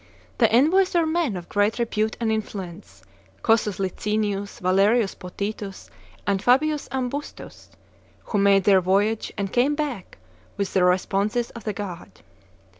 The envoys were men of great repute and influence, Cossus Licinius, Valerius Potitus, and Fabius Ambustus, who made their voyage and came back with the responses of the god.